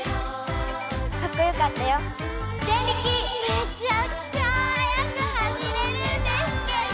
めちゃくちゃはやく走れるんですけど。